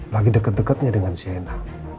lagi deket deketnya dengan cna